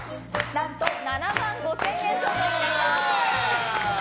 何と７万５０００円相当になります。